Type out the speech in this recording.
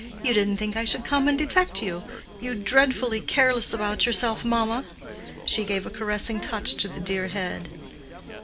You didn't think I should come and detect you—you dreadfully careless about yourself mamma!" She gave a caressing touch to the dear head.